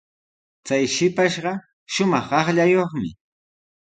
Chay shipashqa shumaq qaqllayuqmi.